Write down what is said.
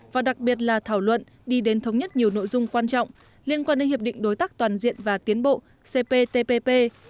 và đặc biệt là thảo luận đi đến thống nhất nhiều nội dung quan trọng liên quan đến hiệp định đối tác toàn diện và tiến bộ cptpp